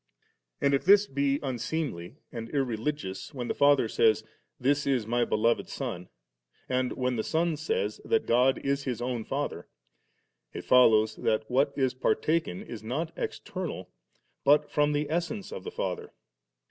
And if this be unseemly and irreligious, when the Father says, 'This b My Beloved SonV and when the Son says that God is His own Father, it follows that what is partaken is not external, but from the essence of the Father.